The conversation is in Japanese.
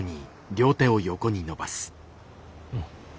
うん。